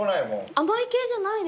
甘い系じゃないです。